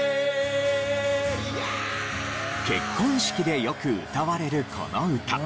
結婚式でよく歌われるこの歌。